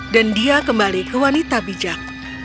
dan dia kembali ke wanita bijak